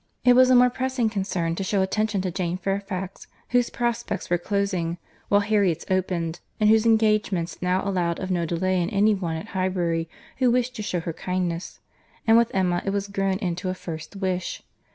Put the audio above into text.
It was a more pressing concern to shew attention to Jane Fairfax, whose prospects were closing, while Harriet's opened, and whose engagements now allowed of no delay in any one at Highbury, who wished to shew her kindness—and with Emma it was grown into a first wish.